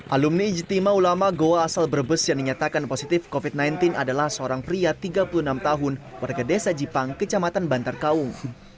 alumni ijtima ulama goa asal brebes yang dinyatakan positif covid sembilan belas adalah seorang pria tiga puluh enam tahun warga desa jipang kecamatan bantar kaung